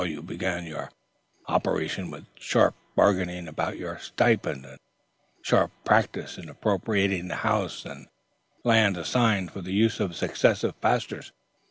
You began your operations with sharp bargaining about your stipend and sharp practice in appropriating the house and land assigned for the use of successive pastors.